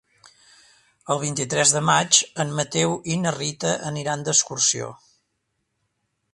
El vint-i-tres de maig en Mateu i na Rita aniran d'excursió.